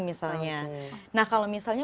misalnya nah kalau misalnya